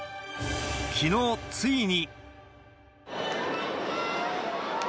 きのう、ついに。